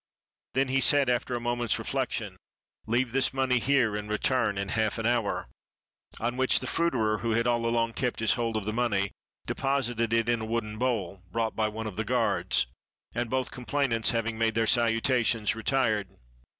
Then said he, after a moment's reflection, "Leave this money here and return in half an hour"; on which the fruiterer, who had all along kept his hold of the money, deposited it in a wooden bowl, brought by one of the guard — and both complainants, having made their salutations, retired.